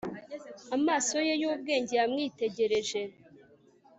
Amaso ye yubwenge yamwitegereje